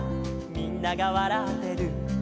「みんながわらってる」